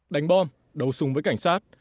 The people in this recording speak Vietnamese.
đánh bom đầu súng với cảnh sát